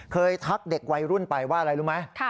ทักเด็กวัยรุ่นไปว่าอะไรรู้ไหม